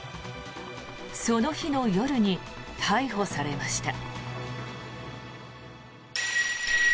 その日の夜に逮捕されました。